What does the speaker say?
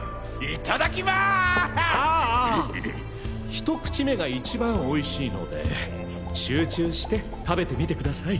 ひとくちめが一番おいしいので集中して食べてみてください。